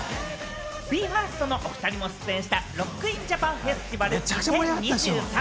ＢＥ：ＦＩＲＳＴのおふたりも出演した、ＲＯＣＫＩＮＪＡＰＡＮＦＥＳＴＩＶＡＬ２０２３。